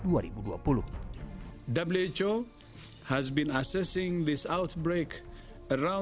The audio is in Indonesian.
who telah menilai penyebaran ini di sekitar waktu